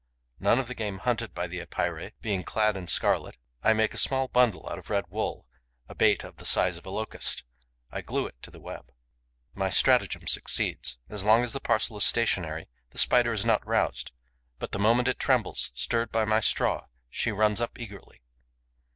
None of the game hunted by the Epeirae being clad in scarlet, I make a small bundle out of red wool, a bait of the size of a Locust. I glue it to the web. My stratagem succeeds. As long as the parcel is stationary, the Spider is not roused; but, the moment it trembles, stirred by my straw, she runs up eagerly.